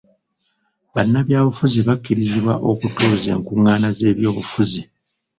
Bannabyabufuzi bakkirizibwa okutuuza enkungana z'ebyobufuzi.